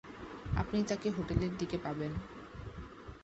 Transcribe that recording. আপনি তাকে হোটেলের দিকে পাবেন।